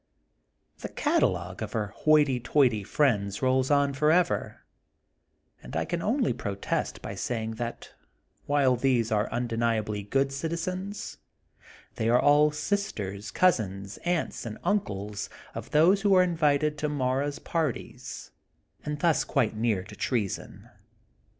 The catalogue of her hoity toity friends rolls on forever and I can only protest by say 84 THE GOLDEN BOOK OF SPRINGFIELD ing that while these are undeniably good citi zenSy they are all sisters, cousins, aunts and unoles of those who are invited to Mara's parties, and thus quite near to treason.